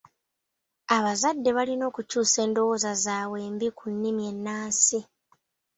Abazadde balina okukyusa endowooza zaabwe embi ku nnimi ennansi.